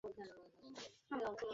আচ্ছা, সাবধানে।